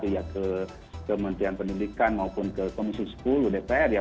ya ke kementerian pendidikan maupun ke komisi sepuluh dpr ya